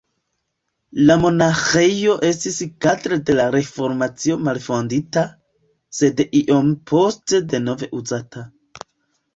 La monaĥejo estis kadre de la Reformacio malfondita, sed iom poste denove uzata.